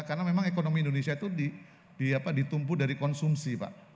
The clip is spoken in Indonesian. karena memang ekonomi indonesia itu ditumpuh dari konsumsi pak